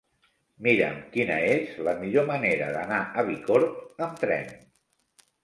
Mira'm quina és la millor manera d'anar a Bicorb amb tren.